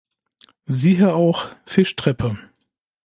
Siehe auch: Fischtreppe.